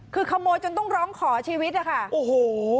คือขโมยจนต้องร้องขอชีวิตนะคะโอ้โห